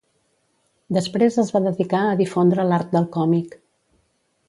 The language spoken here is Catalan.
Després es va dedicar a difondre l'art del còmic.